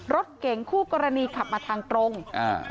รถเก๋งคู่กรณีขับมาทางตรงอ่า